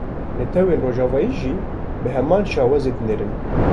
Netewên rojavayî jî bi heman şêwazê dinêrin